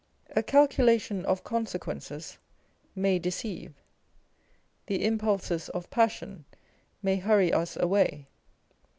A calculation of consequences may deceive, the impulses of passion may hurry us away